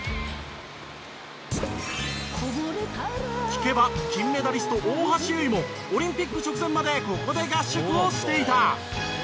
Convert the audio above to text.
聞けば金メダリスト大橋悠依もオリンピック直前までここで合宿をしていた。